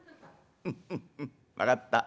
「フフフ分かった。